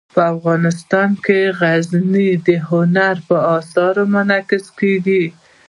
افغانستان کې غزني د هنر په اثار کې منعکس کېږي.